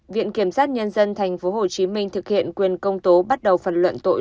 viện kiểm sát nhân dân tp hcm thực hiện quyền công tố bắt đầu phần luận tội